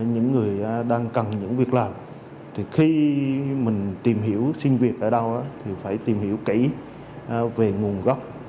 những người đang cần những việc làm thì khi mình tìm hiểu xin việc ở đâu thì phải tìm hiểu kỹ về nguồn gốc